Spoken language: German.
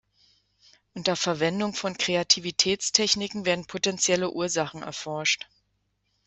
Unter Verwendung von Kreativitätstechniken werden potentielle Ursachen erforscht.